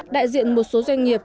đại diện một số doanh nghiệp